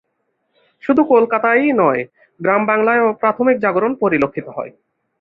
শুধু কলকাতায়ই নয়, গ্রাম বাংলায়ও প্রাথমিক জাগরণ পরিলক্ষিত হয়।